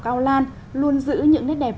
cao lan luôn giữ những nét đẹp